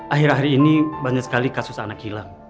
akhir akhir ini banyak sekali kasus anak hilang